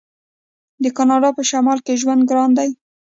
د کاناډا په شمال کې ژوند ګران دی.